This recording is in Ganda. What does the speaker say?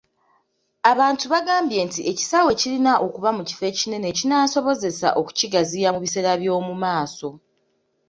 Abantu baagambye nti ekisaawe kirina okuba mu kifo ekinene ekinaasobozesa okukigaziya mu biseera by'omu maaso.